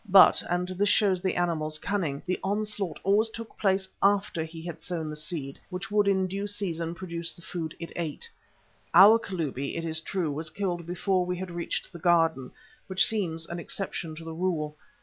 But, and this shows the animal's cunning, the onslaught always took place after he had sown the seed which would in due season produce the food it ate. Our Kalubi, it is true, was killed before we had reached the Garden, which seems an exception to the rule.